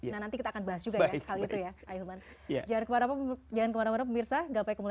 nah nanti kita akan bahas juga ya